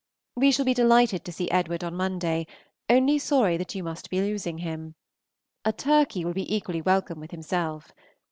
We shall be delighted to see Edward on Monday, only sorry that you must be losing him. A turkey will be equally welcome with himself.